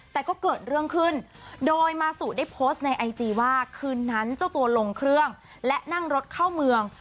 แต่ก็เกิดเรื่องขึ้นโดยมาสุได้โพสต์ในไอจีว่าคืนนั้นเจ้าตัวลงเครื่องและนั่งรถเข้าเมือง